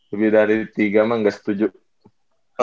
lebih dari tiga mah gak setuju mah